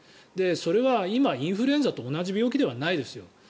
それは今、インフルエンザと同じ病気ではないですよ。